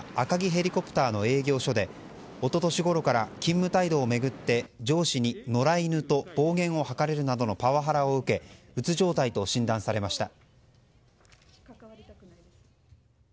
ヘリコプターの営業所で一昨年ごろから勤務態度を巡って上司に野良犬と暴言を吐かれるなどのパワハラを受けうつ状態と診断されました。